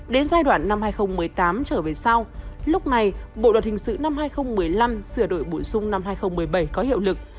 đến giai đoạn năm hai nghìn một mươi tám trở về sau lúc này bộ luật hình sự năm hai nghìn một mươi năm sửa đổi bổ sung năm hai nghìn một mươi bảy có hiệu lực